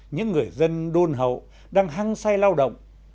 những người dân đôn hậu đang hăng say lao động